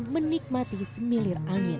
menikmati semilir angin